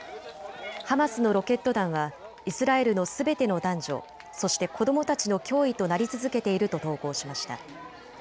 ハマスのロケット弾はイスラエルのすべての男女、そして子どもたちの脅威となり続けていると投稿しました。